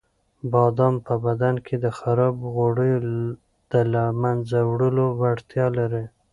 بادام په بدن کې د خرابو غوړیو د له منځه وړلو وړتیا لري.